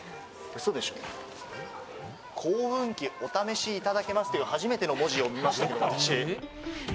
耕運機、お試しいただけますという初めての文字を見ました、私。